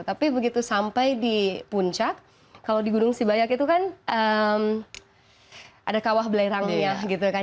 tapi begitu sampai di puncak kalau di gunung sibayak itu kan ada kawah belerangnya gitu kan